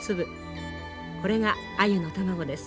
これがアユの卵です。